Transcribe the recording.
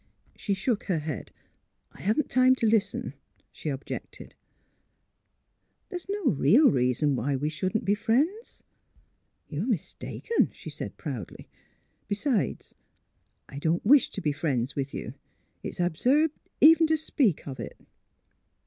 She shook her head. '' I haven't time to listen," she objected. 166 THE HEART OF PHILURA There's no real reason why we shouldn't be friends." '' You are mistaken," she said, proudly. '' Be sides, I don 't .wish to be friends with you. It is absurd even to speak of it."